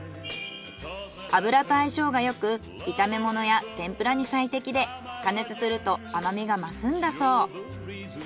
油と相性がよく炒め物や天ぷらに最適で加熱すると甘みが増すんだそう。